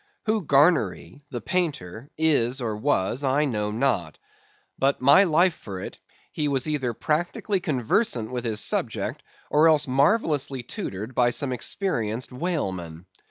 Who Garnery the painter is, or was, I know not. But my life for it he was either practically conversant with his subject, or else marvellously tutored by some experienced whaleman.